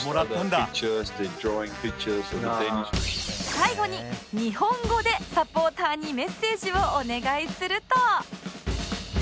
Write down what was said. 最後に日本語でサポーターにメッセージをお願いすると